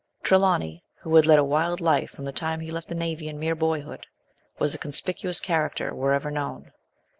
Trelawny, who had led a wild life from the time he left the navy in mere boyhood, was a conspicuous character wherever known.